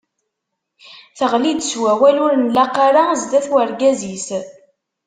Teɣli-d s wawal ur nlaq ara sdat urgaz-is.